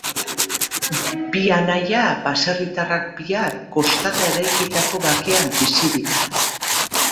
Bi anaia, baserritarrak biak, kostata eraikitako bakean bizi dira.